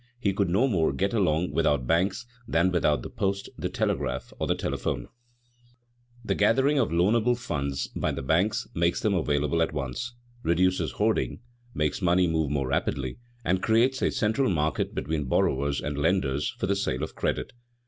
He could no more get along without the banks than without the post, the telegraph, or the telephone. [Sidenote: The bank as a labor saving device] The gathering of loanable funds by the banks, making them available at once, reduces hoarding, makes money move more rapidly, and creates a central market between borrowers and lenders for the sale of credit.